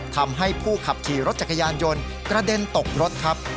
ทำให้ผู้ขับขี่รถจักรยานยนต์กระเด็นตกรถครับ